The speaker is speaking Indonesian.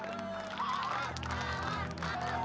aku gak akan berhenti kek